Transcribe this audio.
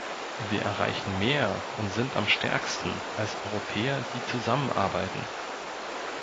Wir erreichen mehr und sind am stärksten als "Europäer, die zusammenarbeiten".